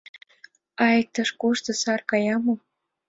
— А иктаж-кушто сар кая мо?